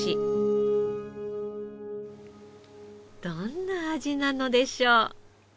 どんな味なのでしょう。